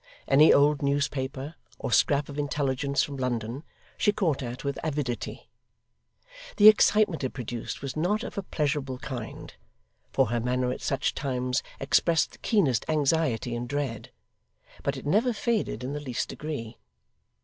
Any old newspaper, or scrap of intelligence from London, she caught at with avidity. The excitement it produced was not of a pleasurable kind, for her manner at such times expressed the keenest anxiety and dread; but it never faded in the least degree.